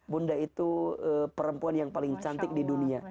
bunda itu perempuan yang paling cantik di dunia